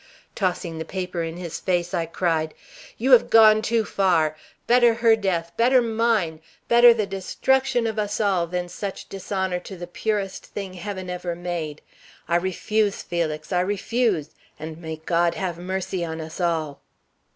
Tossing the paper in his face, I cried: "You have gone too far! Better her death, better mine, better the destruction of us all, than such dishonor to the purest thing heaven ever made. I refuse, Felix I refuse. And may God have mercy on us all!"